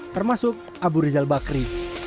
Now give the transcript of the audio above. termasuk abu rizal bakri